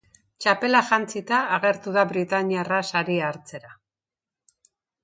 Txapela jantzita agertu da britainiarra saria hartzera.